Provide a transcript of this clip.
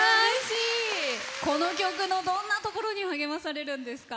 この曲のどんなところに励まされるんですか？